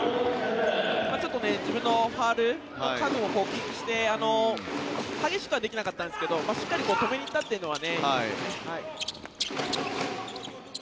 ちょっと自分のファウルの数を気にして激しくはできなかったんですがしっかり止めに行ったのはいいですよね。